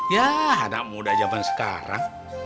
yah anak muda jaman sekarang